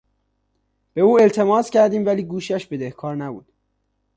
به او التماس کردیم ولی گوشش بدهکار نبود.